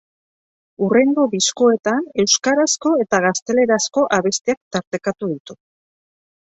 Hurrengo diskoetan euskarazko eta gaztelerazko abestiak tartekatu ditu.